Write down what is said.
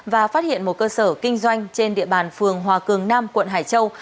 và phát hiện một cơ sở kinh doanh trên địa bàn phường hòa cường nam quận hải châu